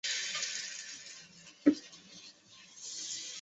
世界最高海拔机场列表列出世界上海拔高度在及以上的商业机场。